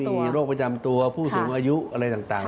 มีโรคประจำตัวผู้สูงอายุอะไรต่าง